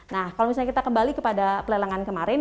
nah kalau misalnya kita kembali kepada pelelangan kemarin